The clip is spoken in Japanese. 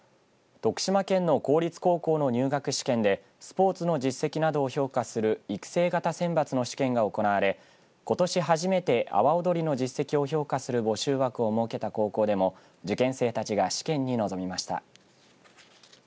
徳島県の公立高校の入学試験でスポーツの実績などを評価する育成型選抜の試験が行われことし初めて阿波踊りの実績を評価する募集枠を設けた高校でも受験生たちが試験に臨みました。